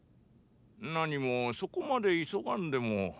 何もそこまで急がんでも。